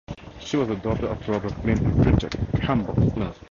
She was the daughter of Robert Flynn and Bridget (Campbell) Flynn.